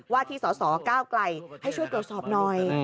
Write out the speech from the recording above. ว่าที่สสก้าวไกลให้ช่วยตรวจสอบหน่อย